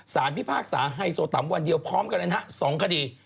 พิพากษาไฮโซตัมวันเดียวพร้อมกันเลยนะฮะ๒คดี